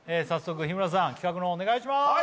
早速日村さん企画のほうお願いします。